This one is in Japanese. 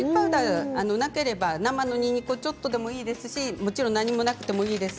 なければ生のにんにくをちょっとでもいいですしもちろん何もなくてもいいです